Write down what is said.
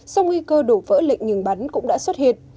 sau nguy cơ đổ vỡ lệnh ngừng bắn cũng đã xuất hiện